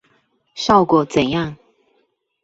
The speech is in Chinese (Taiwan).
效果怎樣